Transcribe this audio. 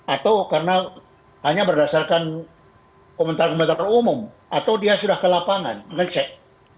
atau karena hanya berdasarkan komentar komentar umum atau dia sudah ke lapangan ngecek